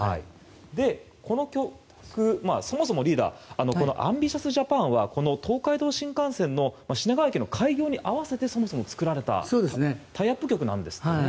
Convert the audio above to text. この曲、そもそもリーダー「ＡＭＢＩＴＩＯＵＳＪＡＰＡＮ！」は東海道新幹線の品川駅の開業に合わせてそもそも作られたタイアップ曲なんですね。